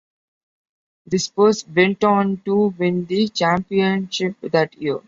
The Spurs went on to win the championship that year.